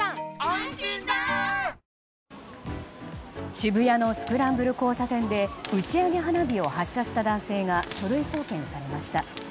渋谷のスクランブル交差点で打ち上げ花火を発射した男性が書類送検されました。